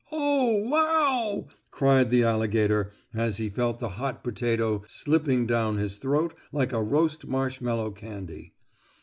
"Oh, wow!" cried the alligator, as he felt the hot potato slipping down his throat like a roast marshmallow candy.